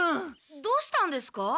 どうしたんですか？